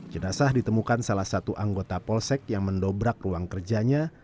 jenazah ditemukan salah satu anggota polsek yang mendobrak ruang kerjanya